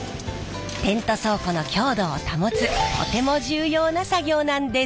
テント倉庫の強度を保つとても重要な作業なんです。